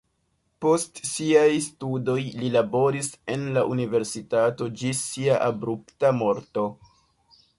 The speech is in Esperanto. Post siaj studoj li laboris en la universitato ĝis sia abrupta morto.